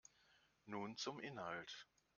Nun zum Inhalt.